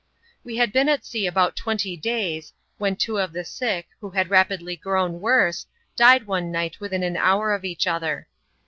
"We had been at sea about twenty days, when two of the sick, who had rapidly grown worse, died one night within an hour of each other.